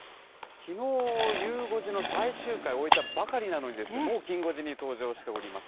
きのう、ゆう５時の最終回を終えたばかりなのに、もうきん５時に登場しております。